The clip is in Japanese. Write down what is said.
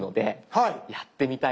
はい。